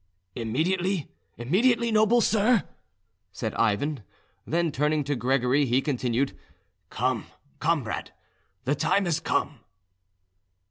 "Immediately, immediately, noble sir," said Ivan; then turning to Gregory, he continued, "Come, comrade; the time has come."